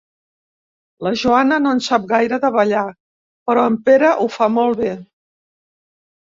La Joana no en sap gaire de ballar, però en Pere ho fa molt bé.